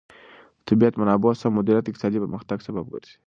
د طبیعي منابعو سم مدیریت د اقتصادي پرمختګ سبب ګرځي.